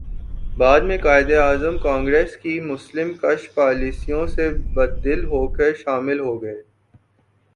بعد میں قائداعظم کانگریس کی مسلم کش پالیسیوں سے بددل ہوکر شامل ہوگئے